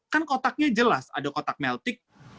kan kotaknya jelas ada kotak meltik